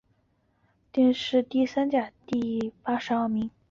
殿试登进士第三甲第八十二名。